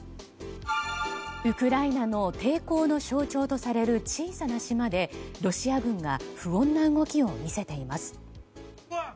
ウクライナの抵抗の象徴とされる小さな島でロシア軍が不穏な動きを見せています。